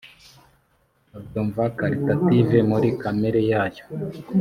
babyumva qualitative muri kamere yayo